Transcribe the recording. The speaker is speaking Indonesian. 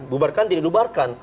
bubarkan tidak dibubarkan